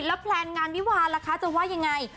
แล้วแพลนงานวิวาลล่ะคะจะว่ายังไง